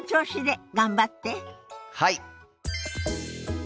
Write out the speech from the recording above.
はい！